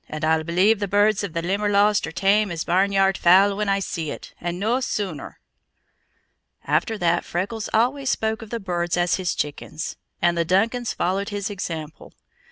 "And I'll believe the birds of the Limberlost are tame as barnyard fowl when I see it, and no sooner!" After that Freckles always spoke of the birds as his chickens, and the Duncans followed his example.